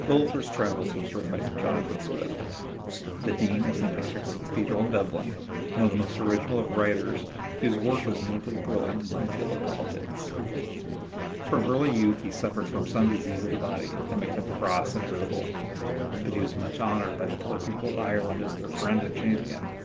Gulliver's Travels was written by Jonathan Swift, the Dean of St. Patrick's Cathedral in Dublin, one of the most original of writers, whose work was notably brilliant in the field of politics. From early youth he suffered from some disease of the body that made him cross and irritable, but he was much honored by the poor people of Ireland as their friend and champion.